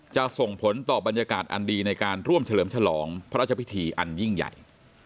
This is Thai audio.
ส่งผลต่อบรรยากาศอันดีในการร่วมเฉลิมฉลองพระราชพิธีอันยิ่งใหญ่